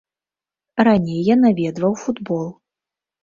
Раней я наведваў футбол.